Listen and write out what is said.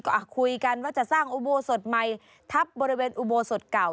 ก็คุยกันว่าจะสร้างอุโบสถใหม่ทับบริเวณอุโบสถเก่า